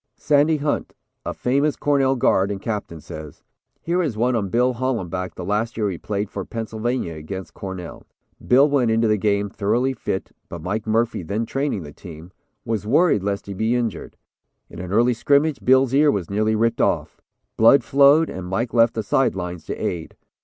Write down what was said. Sandy Hunt, a famous Cornell guard and captain, says: "Here is one on Bill Hollenback, the last year he played for Pennsylvania against Cornell. Bill went into the game, thoroughly fit, but Mike Murphy, then training the team, was worried lest he be injured. In an early scrimmage Bill's ear was nearly ripped off. Blood flowed and Mike left the side lines to aid.